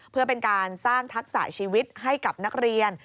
เพื่อเป็นการสร้างทักษะชีวิตให้กับนักเรียน